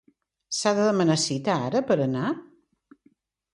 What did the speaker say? S'ha de demanar cita ara per anar?